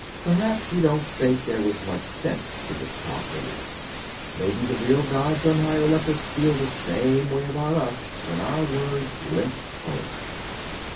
Perhaps you don't think there was much sense to this talk anyway. Maybe the real gods on high Olympus feel the same way about us when our words limp home.